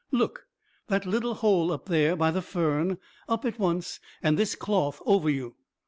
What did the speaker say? "Look! That little hole up there by the fern. Up at once, and this cloth over you!"